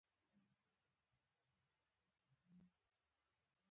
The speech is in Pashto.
ـ خو ته یې پوهه نه کړې کنه!